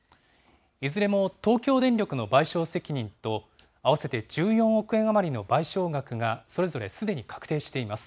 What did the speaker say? いずれも東京電力の賠償責任と、合わせて１４億円余りの賠償額がそれぞれすでに確定しています。